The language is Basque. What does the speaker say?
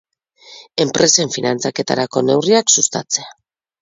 Enpresen finantzaketarako neurriak sustatzea.